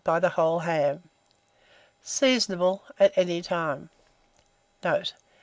by the whole ham. Seasonable at any time. Note.